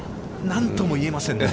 何とも言えませんね。